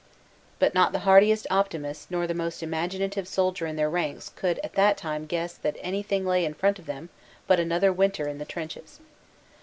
But not the hardiest optimist nor the most imaginative soldier in their ranks could at that time guess that anything 116 WAYSIDE SCENES 117 lay in front of them but another winter in the trenches.